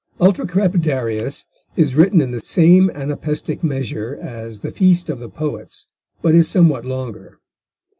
Ultra crepidarius is written in the same anapaestic measure as The Feast of the Poets, but is somewhat longer.